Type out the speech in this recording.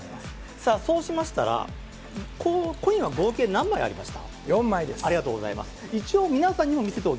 さあ、そうしましたら、コインは合計何枚ありました？